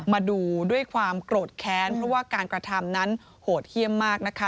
มาดูด้วยความโกรธแค้นเพราะว่าการกระทำนั้นโหดเยี่ยมมากนะคะ